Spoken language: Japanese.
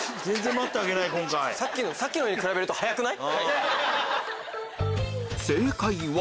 さっきのに比べると早くない？